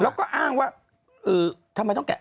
แล้วก็อ้างว่าทำไมต้องแกะ